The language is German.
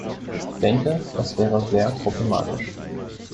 Ich denke, das wäre sehr problematisch.